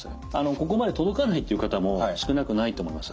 ここまで届かないっていう方も少なくないと思います。